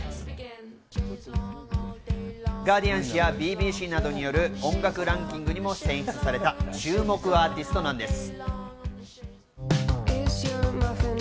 ガーディアン紙やＢＢＣなどによる音楽ランキングにも選出された注目アーティストなんです。